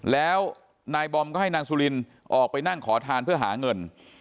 แล้วนายบอมก็ให้นางสุลินออกไปนั่งขอทานเพื่อหาเงิน